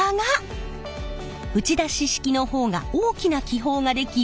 打ち出し式の方が大きな気泡が出来